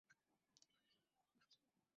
আমরা আগামীকাল এসে তোমাকে নিয়ে যাব।